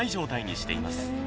しています。